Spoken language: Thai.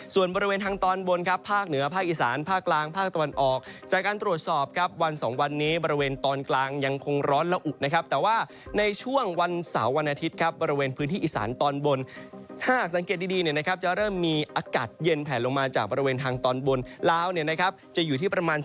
ส่วนบริเวณทางตอนบนครับภาคเหนือภาคอีสานภาคกลางภาคตะวันออกจากการตรวจสอบครับวัน๒วันนี้บริเวณตอนกลางยังคงร้อนละอุนะครับแต่ว่าในช่วงวันเสาร์วันอาทิตย์ครับบริเวณพื้นที่อีสานตอนบนถ้าหากสังเกตดีเนี่ยนะครับจะเริ่มมีอากาศเย็นแผลลงมาจากบริเวณทางตอนบนลาวเนี่ยนะครับจะอยู่ที่ประมาณ